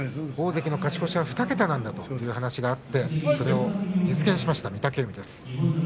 大関の勝ち越しは２桁なんだという話があってそれを実現しました御嶽海です。